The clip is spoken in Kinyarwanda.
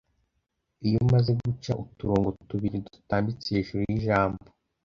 Iyo umaze guca uturongo tubiri dutambitse hejuru y’ijambo